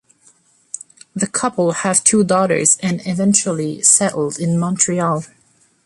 The couple have two daughters and eventually settled in Montreal.